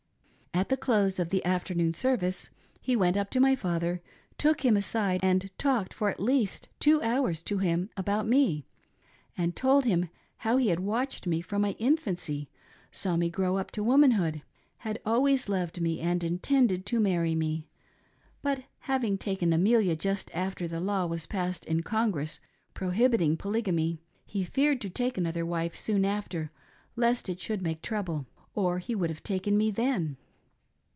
At the close of the afternoon service he went up to my father, took him aside and talked for at least two hours to him about me, and told him how that he had watched me from my infancy, saw me grow up to womanhood, had always loved me and intended to marry me, but having taken Amelia just after the law was passed in Congress prohibiting polygamy, he feared to take another wife soon after, lest it should make trouble, or he would have taken me then.